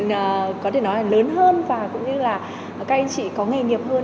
có thể nói là lớn hơn và cũng như là các anh chị có nghề nghiệp hơn